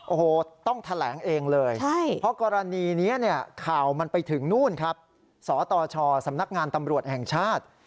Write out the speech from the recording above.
โอ้โหต้องแถลงเองเลยเพราะกรณีนี้เนี่ยข่าวมันไปถึงนู่นครับสตชสำนักงานตำรวจแห่งชาติ